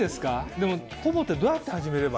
でもｐｏｖｏってどうやって始めれば。